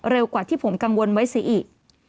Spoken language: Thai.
เร็วกว่าที่ผมกังวลไว้สิอีก